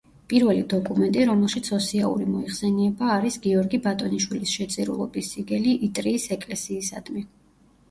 პირველი დოკუმენტი, რომელშიც ოსიაური მოიხსენიება, არის გიორგი ბატონიშვილის შეწირულობის სიგელი იტრიის ეკლესიისადმი.